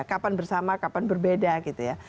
kapan bersama kapan berbeda gitu ya